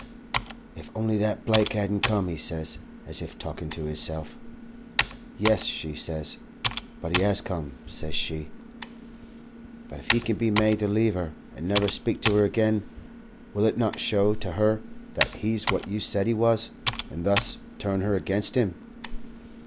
"'If only that Blake hadn't come,' he says, as if talkin' to hisself. "'Yes,' she says, 'but he has come,' says she. "'But if he can be made to leave her, and never speak to her again, will it not show to her that he's what you said he was, and thus turn her against him?'